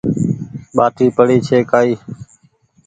ٻآٽي پڙي ڇي ڪآئي